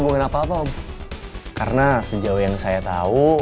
tolong taruh ini di ruangan saya ya